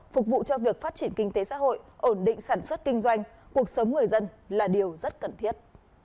phục vụ cho việc phát triển kinh tế xã hội ổn định sản xuất kinh doanh cuộc sống người dân là điều rất cần thiết